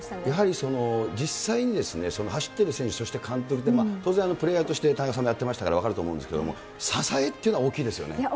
やはり実際に走ってる選手、そして監督、当然、プレーヤーとして田中さんもやってましたから、分かると思いますけれども、支えっていうのは大きいですよね。